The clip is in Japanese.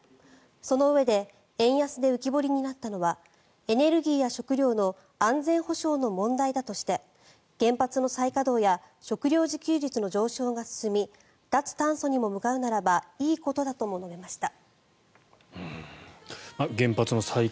そのうえで円安で浮き彫りになったのはエネルギーや食料の安全保障の問題だとして原発の再稼働や食料自給率の上昇が進み脱炭素にも向かうならばいいことだとも述べました。